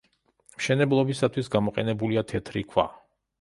მშენებლობისათვის გამოყენებულია თეთრი ქვა.